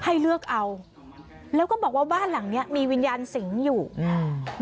ให้เลือกเอาแล้วก็บอกว่าบ้านหลังเนี้ยมีวิญญาณสิงห์อยู่อืม